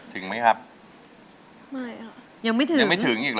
ถึงมั้ยครับไม่ยังไม่ถึงยังไม่ถึงอีกหรอ